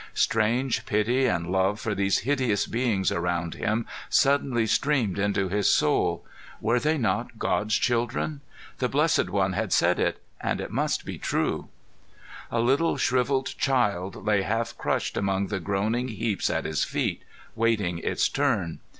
Strange pity and love for these hideous beings around him suddenly streamed into his soul. Were they not God's children? The Blessed One had said it, and it must be true. A little shriveled child lay half crushed among the groaning heaps at his feet, waiting its turn.